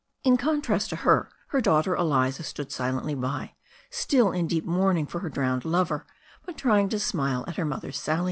In contrast to her, her daughter Eliza stood silently by, still in deep mourning lor her drowned lover, but trying to smile at her mother's s^Wv^^.